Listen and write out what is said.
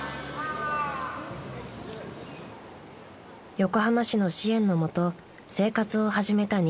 ［横浜市の支援のもと生活を始めた西さん］